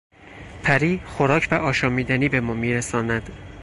پری خوراک و آشامیدنی به ما میرساند.